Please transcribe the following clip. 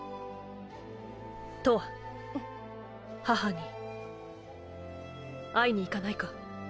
母に会いに行かないか？